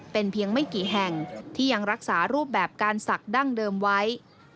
เป็นเพียงไม่กี่แห่งที่ยังรักษารูปแบบการศักดิ์ดั้งเดิมไว้